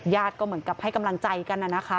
ก็เหมือนกับให้กำลังใจกันนะคะ